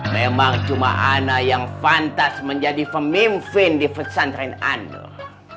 memang cuma ana yang pantas menjadi pemimpin di pesantren anu